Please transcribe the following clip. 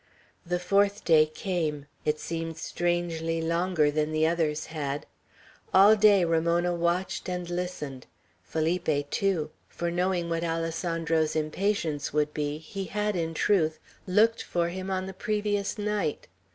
The fourth day came; it seemed strangely longer than the others had. All day Ramona watched and listened. Felipe, too; for, knowing what Alessandro's impatience would be, he had, in truth, looked for him on the previous night.